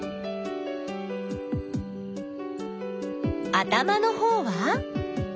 頭のほうは？